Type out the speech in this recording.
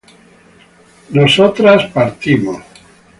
nosotras partimos